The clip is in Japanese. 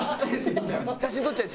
写真撮っちゃえ！